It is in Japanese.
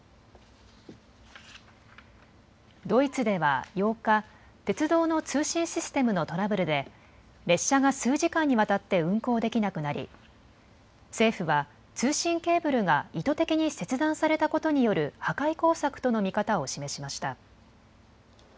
ドイツでは８日、鉄道の通信システムのトラブルで列車が数時間にわたって運行できなくなり政府は通信ケーブルが意図的に切断されたことによる破壊工作との見方を示しました。